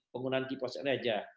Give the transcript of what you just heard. penggunaan keepozin aja